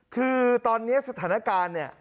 คือตอนนี้สถานการณ์เนี่ย